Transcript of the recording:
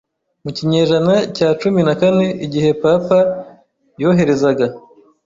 mu kinyejana cya cumi na kane igihe Papa yoherezaga